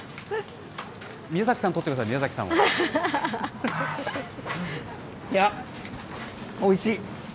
宮崎さん撮ってください、宮崎さいや、おいしい。